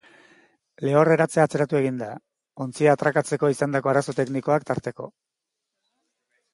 Lehorreratzea atzeratu egin da, ontzia atrakatzeko izandako arazo teknikoak tarteko.